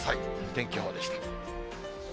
天気予報でした。